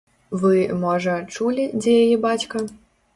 Вы, можа, чулі, дзе яе бацька?